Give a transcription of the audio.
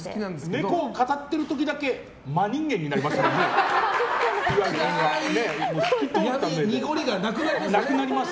ネコを語ってる時だけ真人間になります。